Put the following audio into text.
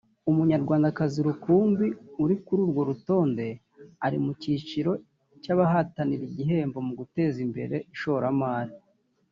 Umunyarwandakazi rukumbi uri kuri urwo rutonde ari mu cyiciro cy’abahatanira igihembo mu guteza imbere ishoramari